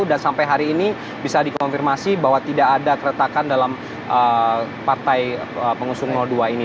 dan sampai hari ini bisa dikonfirmasi bahwa tidak ada keretakan dalam partai pengusung dua ini